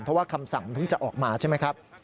เพราะว่าคำสั่งเพิ่งจะออกมาใช่ไหมครับ